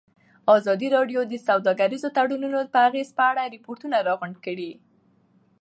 ازادي راډیو د سوداګریز تړونونه د اغېزو په اړه ریپوټونه راغونډ کړي.